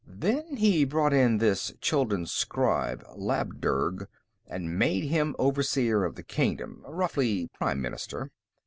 Then he brought in this Chuldun scribe, Labdurg, and made him Overseer of the Kingdom roughly, prime minister.